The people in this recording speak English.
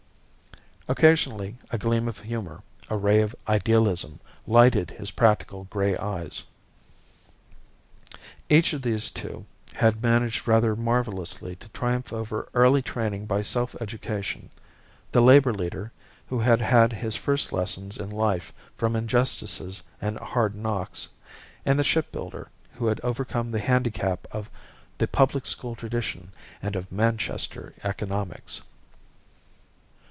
Occasionally a gleam of humour, a ray of idealism, lighted his practical grey eyes. Each of these two had managed rather marvellously to triumph over early training by self education: the labour leader, who had had his first lessons in life from injustices and hard knocks; and the ship builder, who had overcome the handicap of the public school tradition and of Manchester economics.